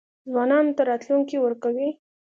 ځوانانو ته راتلونکی ورکوي.